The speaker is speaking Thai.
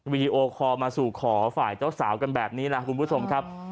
วีดีโอคอลมาสู่ขอฝ่ายเจ้าสาวกันแบบนี้นะคุณผู้ชมครับ